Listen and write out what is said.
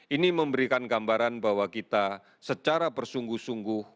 ini memberikan gambaran bahwa kita secara bersungguh sungguh